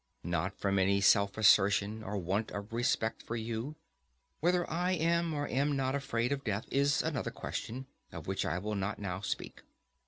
Not from any self assertion or want of respect for you. Whether I am or am not afraid of death is another question, of which I will not now speak.